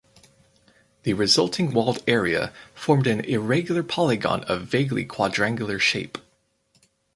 The resulting walled area formed an irregular polygon of vaguely quadrangular shape.